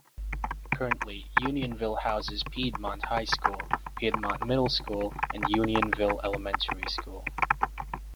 Currently, Unionville houses Piedmont High School, Piedmont Middle School, and Unionville Elementary School.